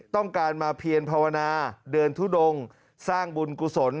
ต้องการมาเพียรภาวนาเดินทุดงสร้างบุญกุศล